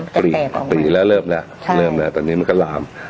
มันจะแตกออกมาปีแล้วเริ่มแล้วใช่เริ่มแล้วตอนนี้มันก็ลาม